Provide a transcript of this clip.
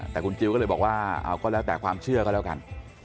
แต่คุณจิลก็เลยบอกว่าเอาก็แล้วแต่ความเชื่อก็แล้วกัน